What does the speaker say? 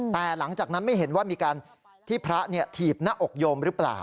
แต่หลังจากนั้นไม่เห็นว่ามีการที่พระถีบหน้าอกโยมหรือเปล่า